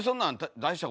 大丈夫。